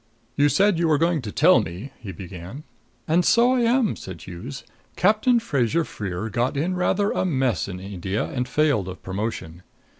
"You said you were going to tell me " he began. "And so I am," said Hughes. "Captain Fraser Freer got in rather a mess in India and failed of promotion.